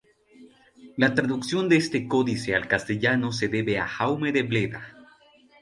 La traducción de este códice al castellano se debe a Jaume de Bleda.